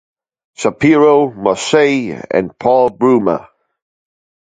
Shapiro, Moshe, and Paul Brumer.